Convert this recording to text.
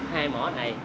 hai mỏ này